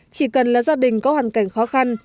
chỉ cần là gia đình có hoàn cảnh khó khăn